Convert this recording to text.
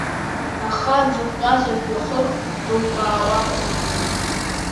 Аха дзықәтәаз ажәҩахыр дылбаауамыз.